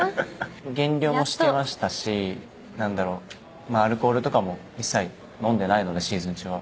減量もしてましたしアルコールとかも一切飲んでいないのでシーズン中は。